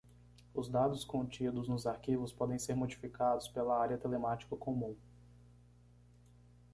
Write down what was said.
Os dados contidos nos arquivos podem ser modificados pela Área Telemática Comum.